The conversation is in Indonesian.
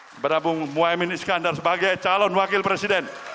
kepada bung muhaymin iskandar sebagai calon wakil presiden